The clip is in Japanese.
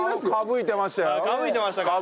かぶいてましたか？